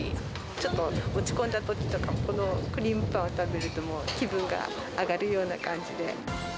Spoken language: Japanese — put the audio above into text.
ちょっと落ち込んだときとか、ここのクリームパンを食べると、もう気分が上がるような感じで。